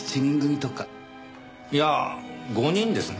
いや５人ですね。